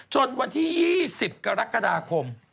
วันที่๒๐กรกฎาคม